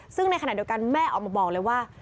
ซึ่งในขณะเดียวกันแม่ออกมาบอกเลยว่า